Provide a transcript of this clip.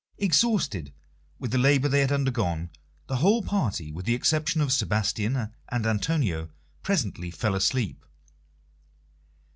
] Exhausted with the labour they had undergone, the whole party, with the exception of Sebastian and Antonio, presently fell asleep.